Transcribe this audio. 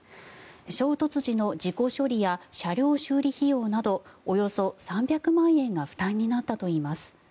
衝突時の事故処理や車両修理費用などおよそ３００万円が負担になったといいます。